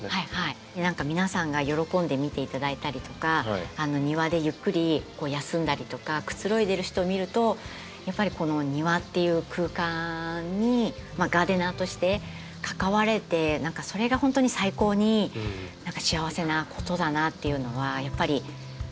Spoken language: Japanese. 何か皆さんが喜んで見ていただいたりとか庭でゆっくり休んだりとかくつろいでる人を見るとやっぱりこの庭っていう空間にガーデナーとして関われて何かそれが本当に最高に幸せなことだなっていうのはやっぱりそうですね